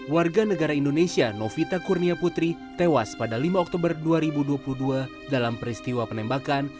warga negara indonesia novita kurnia putri tewas pada lima oktober dua ribu dua puluh dua dalam peristiwa penembakan